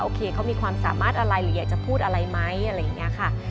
โคเขามีความสามารถอะไรหรืออยากจะพูดอะไรไหมอะไรอย่างนี้ค่ะ